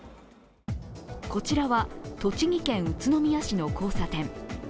こちらは栃木県宇都宮市の交差点。